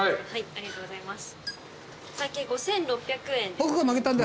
ありがとうございます。